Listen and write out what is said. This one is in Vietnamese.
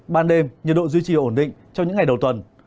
ban đêm nhiệt độ duy trì ổn định trong những ngày đầu tuần